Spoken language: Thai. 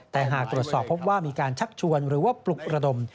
แต่หากตรวจสอบพบว่ามีการชักชวนหรือว่าปลุกระดม